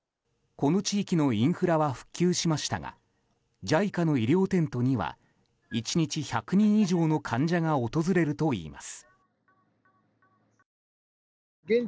この地域のインフラは復旧しましたがＪＩＣＡの医療テントには１日１００人以上の患者が訪れるといいます。